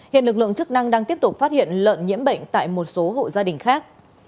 hiện lực lượng chức năng đang tiếp tục phát hiện lợn nhiễm bệnh tại một số hộ gia đình khác